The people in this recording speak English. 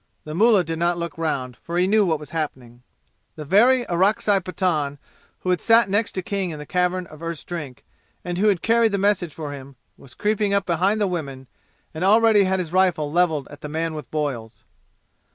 The mullah did not look round, for he knew what was happening. The very Orakzai Pathan who had sat next King in the Cavern of Earth's Drink, and who had carried the message for him, was creeping up behind the women and already had his rifle leveled at the man with boils.